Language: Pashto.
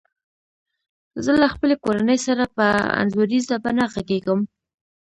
زه له خپلي کورنۍ سره په انځوریزه بڼه غږیږم.